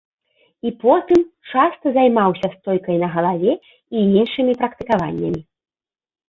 І потым часта займаўся стойкай на галаве і іншымі практыкаваннямі.